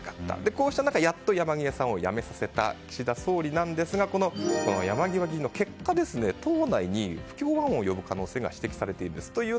こうした中、やっと山際さんを辞めさせた岸田総理ですが山際議員の結果党内に不協和音を呼ぶことが指摘されているんです。